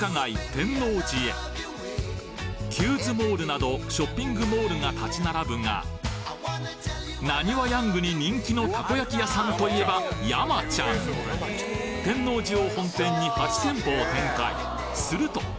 天王寺へキューズモールなどショッピングモールが立ち並ぶがナニワヤングに人気のたこ焼き屋さんといえば天王寺を本店に８店舗を展開。